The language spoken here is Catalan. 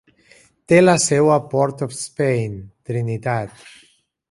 Té la seu a Port-of-Spain, Trinitat.